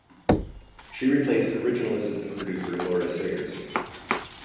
She replaced original assistant producer Laura Sayers.